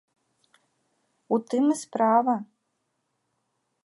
У тым і справа.